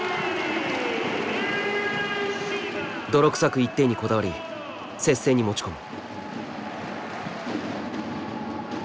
泥臭く１点にこだわり接戦に持ち込む。